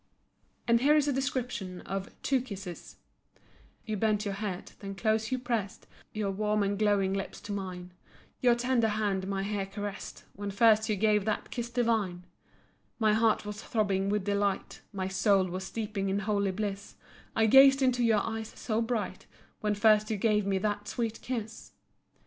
And here is a description of "Two Kisses": You bent your head, then close you pressed Your warm and glowing lips to mine; Your tender hand my hair caressed, When first you gave that kiss divine, My heart was throbbing with delight, My soul was steeped in holy bliss; I gazed into your eyes so bright, When first you gave me that sweet kiss.